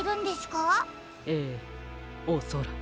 ええおそらく。